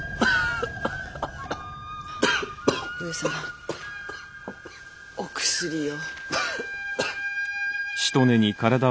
上様お薬を。